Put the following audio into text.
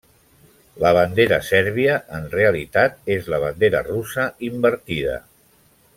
La bandera sèrbia, en realitat, és la bandera russa invertida.